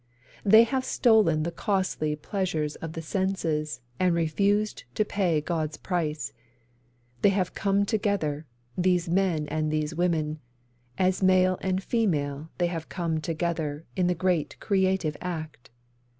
They have stolen the costly pleasures of the senses And refused to pay God's price. They have come together, these men and these women, As male and female they have come together In the great creative act.